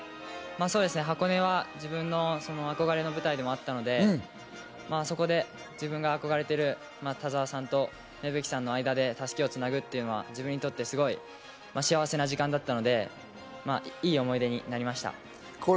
箱根は自分の憧れの舞台でもあったので、そこで自分が憧れている田澤さんと芽吹さんの間で襷をつなぐというのは自分にとってすごい幸せな時間だったので、いい思い出になりました。